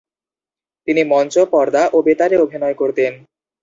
তিনি মঞ্চ, পর্দা ও বেতারে অভিনয় করতেন।